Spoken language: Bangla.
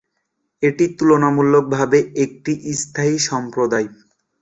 এটি তুলনামূলকভাবে একটি স্থানীয় সম্প্রদায়।